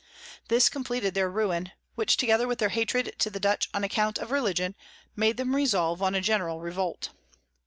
This compleated their Ruin; which, together with their Hatred to the Dutch on account of Religion, made them resolve on a general Revolt.